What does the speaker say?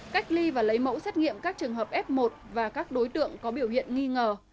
cách ly và lấy mẫu xét nghiệm các trường hợp f một và các đối tượng có biểu hiện nghi ngờ